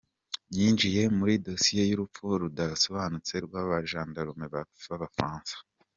yinjiye muri dosiye y’urupfu rudasobanutse rw’abajandarume b’Abafaransa